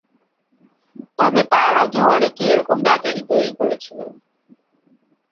তবে তাঁর আগেও অনেকে এরকম ব্যাটারি তৈরি করেছিলেন।